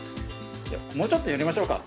もうちょっと寄りましょうか。